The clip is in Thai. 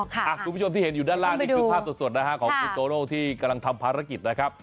คุณผู้ชมที่เห็นอยู่ด้านล่างนี่คือภาพสดนะฮะของคุณโตโน่ที่กำลังทำภารกิจนะครับ